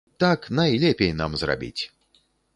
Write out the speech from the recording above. Так найлепей нам зрабіць!